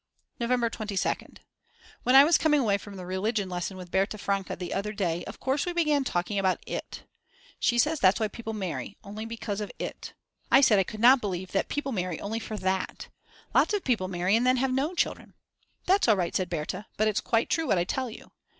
November 22nd. When I was coming away from the religion lesson with Berta Franke the other day, of course we began talking about it. She says that's why people marry, only because of it. I said I could not believe that people marry only for that. Lots of people marry and then have no children. That's all right said Berta, but it's quite true what I tell you.